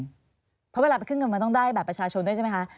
เพราะเพราะเวลาเขาเครื่องเงินมาต้องได้ด้วยด้วยด้วยใช่ไหมคะ